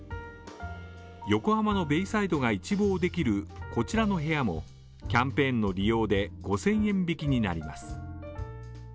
横浜のベイサイドが一望できるこちらの部屋もキャンペーンの利用で５０００円引きになります。